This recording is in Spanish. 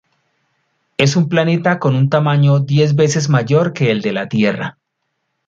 Es un planeta con un tamaño diez veces mayor que el de la Tierra.